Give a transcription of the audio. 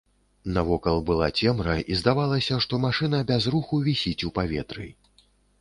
Навокал была цемра, і здавалася, што машына без руху вісіць у паветры.